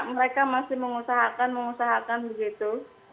mereka masih mengusahakan mengusahakan begitu